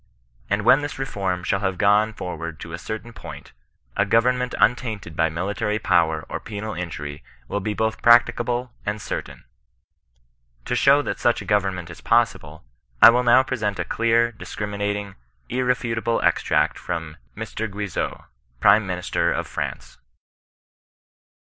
And when this reform shall have gone forward to a cer tain point, a government xmtainted by military power or penal injury will be both practicable and certain. To show that such a goveroment is possible, I will now CUBISTIAN KON BESISTANOE. 175 present a clear, discriminating, irrefutable extract from M. Guizot, prime minister of France.